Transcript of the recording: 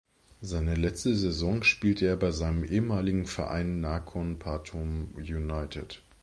Seine letzte Saison spielte er bei seinem ehemaligen Verein Nakhon Pathom United.